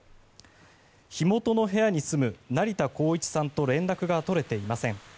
火元の部屋に住む成田幸一さんと連絡が取れていません。